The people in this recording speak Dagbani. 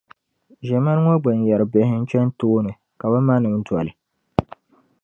Ʒiɛmani ŋɔ gbinyari bihi n-chani tooni ka bɛ manim’ doli.